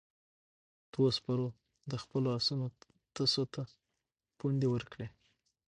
دوو سپرو د خپلو آسونو تشو ته پوندې ورکړې.